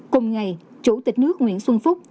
cùng ngày chủ tịch nước nguyễn xuân phúc